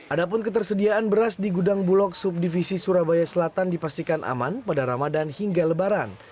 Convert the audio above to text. adapun ketersediaan beras di gudang bulog subdivisi surabaya selatan dipastikan aman pada ramadan hingga lebaran